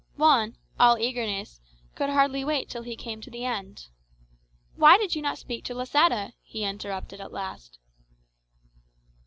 Juan, all eagerness, could hardly wait till he came to the end. "Why did you not speak to Losada?" he interrupted at last.